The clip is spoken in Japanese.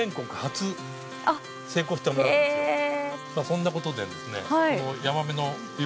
そんなことでですね。